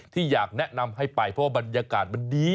อยากแนะนำให้ไปเพราะว่าบรรยากาศมันดี